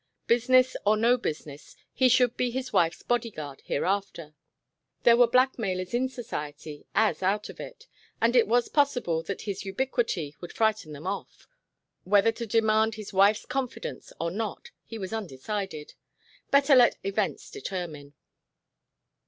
Business or no business, he should be his wife's bodyguard hereafter. There were blackmailers in society as out of it, and it was possible that his ubiquity would frighten them off. Whether to demand his wife's confidence or not he was undecided. Better let events determine.